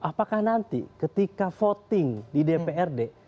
apakah nanti ketika voting di dprd